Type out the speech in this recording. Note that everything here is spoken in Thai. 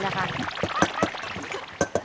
อืมก็ยำนะครับ